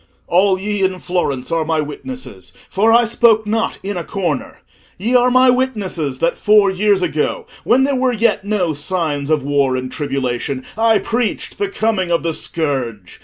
"All ye in Florence are my witnesses, for I spoke not in a corner. Ye are my witnesses, that four years ago, when there were yet no signs of war and tribulation, I preached the coming of the scourge.